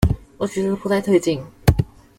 我覺得不太對勁